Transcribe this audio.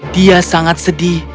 dia sangat sedih